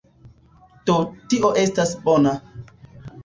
Do, tio estas bona